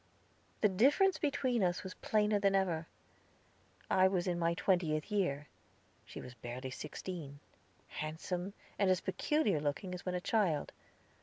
The difference between us was plainer than ever. I was in my twentieth year, she was barely sixteen; handsome, and as peculiar looking as when a child.